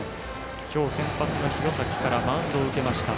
今日、先発の廣崎からマウンドを受けました。